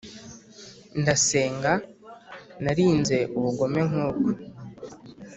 ndasenga narinze ubugome nkubwo,